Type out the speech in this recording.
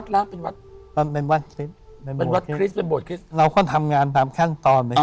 แล้วก็ทำงานตามขั้นตอนไปครับ